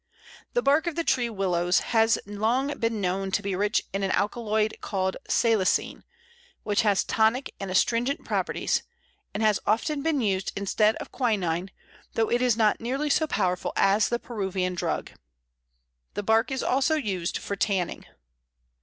] The bark of the tree Willows has long been known to be rich in an alkaloid called salicine, which has tonic and astringent properties, and has often been used instead of quinine, though it is not nearly so powerful as the Peruvian drug. The bark is also used for tanning.